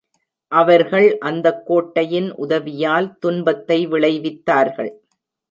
அவர்கள் அந்தக் கோட்டையின் உதவியால் துன்பத்தை விளைவித்தார்கள்.